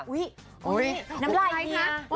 อุ้ยน้ำไล่เนี่ย